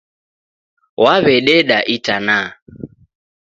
Waw'ededa itana